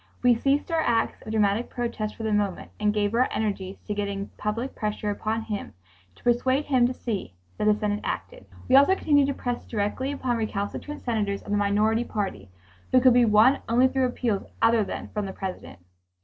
We ceased our acts of dramatic protest for the moment and gave our energies to getting public pressure upon him, to persuade him to see that the Senate acted. We also continued to press directly upon recalcitrant senators of the minority party who could be won only through appeals other than from the President.